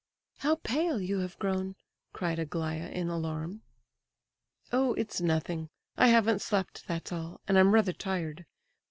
"How pale you have grown!" cried Aglaya in alarm. "Oh, it's nothing. I haven't slept, that's all, and I'm rather tired.